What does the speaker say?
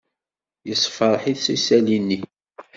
Yessfṛeḥ-it isali-nni.